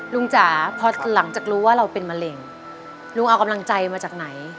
จ๋าพอหลังจากรู้ว่าเราเป็นมะเร็งลุงเอากำลังใจมาจากไหน